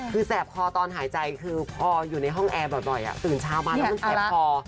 คือแสบคอตอนหายใจคือพออยู่ในห้องแอร์บ่อยตื่นเช้ามาแล้วมันแสบคอ